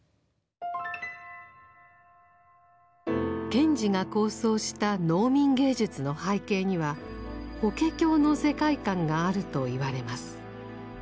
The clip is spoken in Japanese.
賢治が構想した「農民芸術」の背景には法華経の世界観があるといわれます。